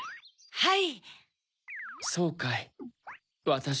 はい。